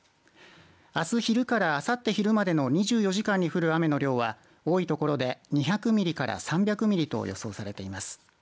あす昼から、あさって昼までの２４時間に降る雨の量は多い所で２００ミリから３００ミリと予想されています。